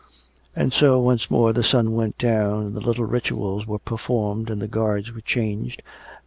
And so once more the sun went down, and the little rituals were performed, and the guards were changed, and M.